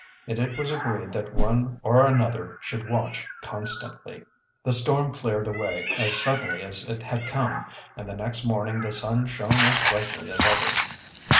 And it was agreed that one or another should watch constantly. The storm cleared away as suddenly as it had come, and the next morning the sun shone as brightly as ever.